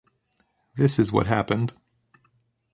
This is what happened.